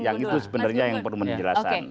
yang itu sebenarnya yang perlu menjelaskan